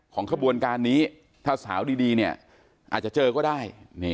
ขบวนการนี้ถ้าสาวดีเนี่ยอาจจะเจอก็ได้